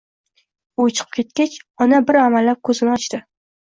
U chiqib ketgach, ona bir amallab ko‘zini ochdi